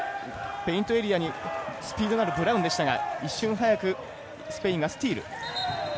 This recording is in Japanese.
ペイントエリアにスピードのあるブラウンでしたが一瞬速くスペインがスチール。